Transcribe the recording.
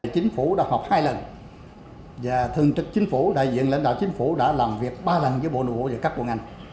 chính phủ đã họp hai lần và thường trực chính phủ đại diện lãnh đạo chính phủ đã làm việc ba lần với bộ nội các quận ngành